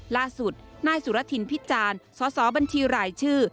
ล่าสุดหน้าสุรถินพิจารณ์สอบรรทีรายชื่อ